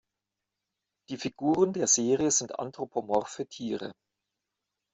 Die Figuren der Serie sind anthropomorphe Tiere.